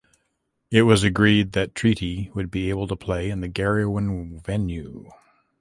It was agreed that Treaty would be able to play in the Garryowen venue.